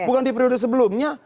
bukan di periode sebelumnya